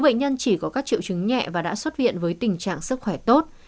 sáu bệnh nhân chỉ có các triệu chứng nhẹ và đã xuất viện với tình trạng sức khỏe tốt